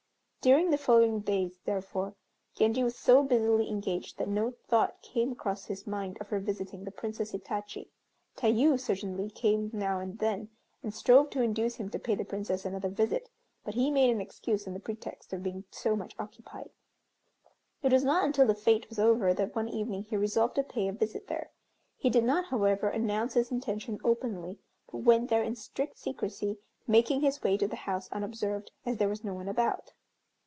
During the following days, therefore, Genji was so busily engaged that no thought came across his mind of revisiting the Princess Hitachi. Tayû certainly came now and then, and strove to induce him to pay the Princess another visit, but he made an excuse on the pretext of being so much occupied. It was not until the fête was over that one evening he resolved to pay a visit there. He did not, however, announce his intention openly, but went there in strict secrecy, making his way to the house unobserved, as there was no one about.